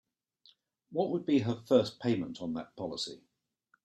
What would be her first payment on that policy?